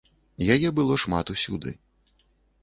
Яе было шмат усюды.